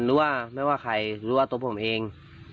รู้ว่าไม่ว่าใครรู้ว่าตัวผมเอง